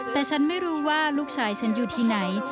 แต่ฉันไม่รู้ว่าลูกชายฉันอยู่ที่ไหน